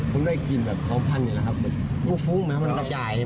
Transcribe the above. ผมไม่ได้นอนเนี่ยครับเพื่อนผมก็ได้หยิน